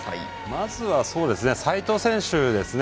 まずは齋藤選手ですね。